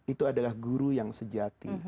itu adalah guru yang sejati